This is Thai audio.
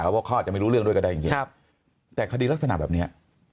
ว่าเขาอาจจะไม่รู้เรื่องด้วยก็ได้จริงแต่คดีลักษณะแบบนี้